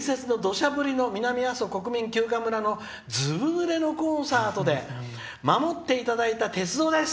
「あの伝説の土砂降りの南阿蘇国民休暇村のずぶぬれのコンサートで守っていただいた鉄道です」。